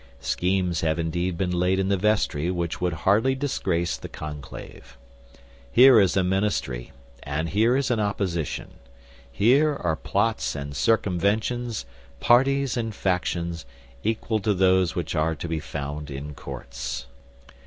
Schemes have indeed been laid in the vestry which would hardly disgrace the conclave. Here is a ministry, and here is an opposition. Here are plots and circumventions, parties and factions, equal to those which are to be found in courts.